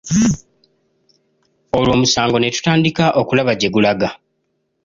Olwo omusango ne tutandika okulaba gye gulaga.